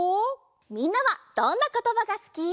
みんなはどんなことばがすき？